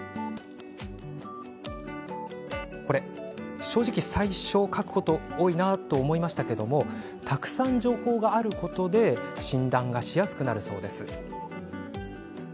これ正直、書くこと多いなと思いましたがたくさん情報があることで診断がしやすくなるそうです。